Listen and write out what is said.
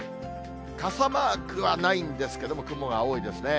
傘マークはないんですけれども、雲が多いですね。